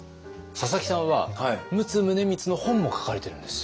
佐々木さんは陸奥宗光の本も書かれてるんですよ。